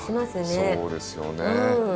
そうですよね。